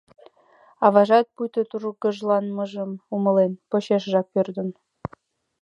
Аважат, пуйто тургыжланымыжым умылен, почешыжак пӧрдын.